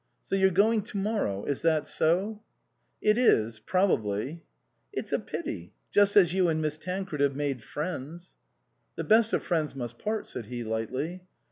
" So you're going to morrow ? Is that so ?"" It is probably." "It's a pity just as you and Miss Tancred have made friends." "The best of friends must part," said he lightly.